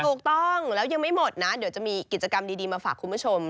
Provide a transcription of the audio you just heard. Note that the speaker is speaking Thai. ถูกต้องแล้วยังไม่หมดนะเดี๋ยวจะมีกิจกรรมดีมาฝากคุณผู้ชม